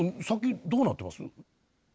先どうなってます？